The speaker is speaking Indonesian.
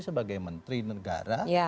sebagai menteri negara